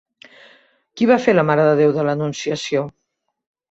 Qui va fer el de la Mare de Déu de l'Anunciació?